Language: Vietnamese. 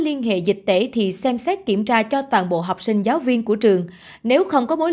liên hệ dịch tễ thì xem xét kiểm tra cho toàn bộ học sinh giáo viên của trường nếu không có mối